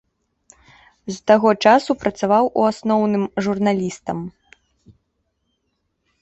З таго часу працаваў у асноўным журналістам.